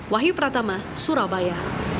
wahyu pratama surabaya